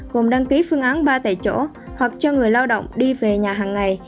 gồm đăng ký phương án ba tại chỗ hoặc cho người lao động đi về nhà hàng ngày